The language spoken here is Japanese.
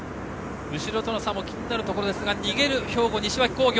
後ろとの差も気になりますが逃げる兵庫・西脇工業。